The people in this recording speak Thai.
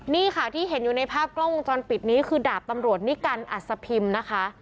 นี่ค่ะที่เห็นอยู่ในภาพกล้องวงจรปิดนี้คือดาบตำรวจนิกัลอัศพิมพ์นะคะ